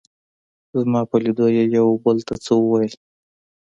زما په لیدو یې یو او بل ته څه وویل.